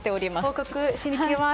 報告しに来ます。